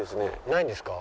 ないんですか？